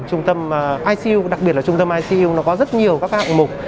trung tâm icu đặc biệt là trung tâm icu nó có rất nhiều các hạng mục